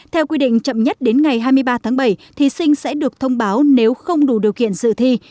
theo quy định chậm nhất đến ngày hai mươi ba tháng bảy thí sinh sẽ được thông báo nếu không đủ điều kiện dự thi